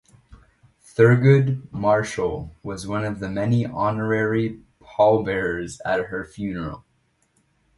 Thurgood Marshall was one of the many honorary pallbearers at her funeral.